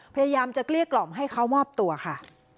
พยายามจะเกลี้ยกล่อมให้เขามอบตัวค่ะ